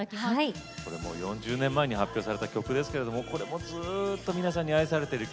これも４０年前に発表された曲ですけれどもこれもずっと皆さんに愛されてる曲。